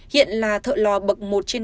hiện là thợ lò bậc một trên năm